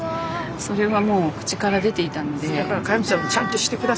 それはもう口から出ていたので。